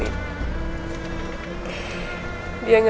dia gak akan pernah tau siapa ayah kandungnya